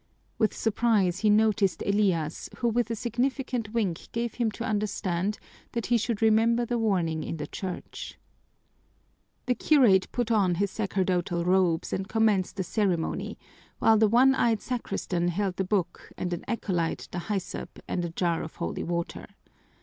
With surprise he noticed Elias, who with a significant wink gave him to understand that he should remember the warning in the church. The curate put on his sacerdotal robes and commenced the ceremony, while the one eyed sacristan held the book and an acolyte the hyssop and jar of holy water.